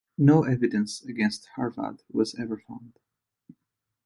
No evidence against Arvad was ever found.